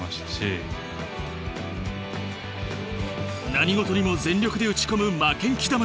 何事にも全力で打ち込む負けん気魂。